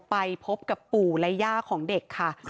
ไปพบกับปู่และย่าของเด็กค่ะ